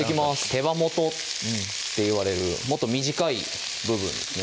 手羽元っていわれるもっと短い部分ですね